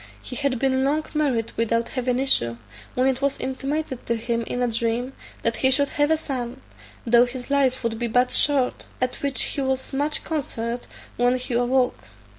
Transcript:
"He had been long married without having issue, when it was intimated to him in a dream that he should have a son, though his life would be but short; at which he was much concerned when he awoke.